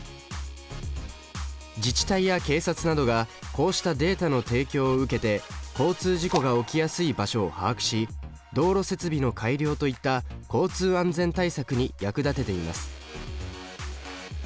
自治体や警察などがこうしたデータの提供を受けて交通事故が起きやすい場所を把握し道路設備の改良といった交通安全対策に役立てています。